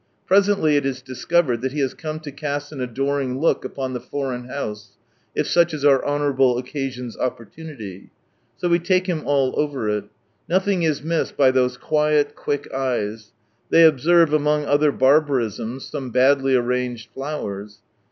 Presently it is discovered that he has come to cast an ador ing look upon the foreign house, if such is our honourable occasion's opportunity. So we take him all over it. Nothing is missed by those quiet, quick, eyes. They observe, among other barbarisms, some badly arranged flowers.